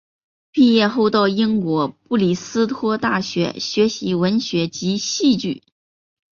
毕业后到英国布里斯托大学学习文学及戏剧。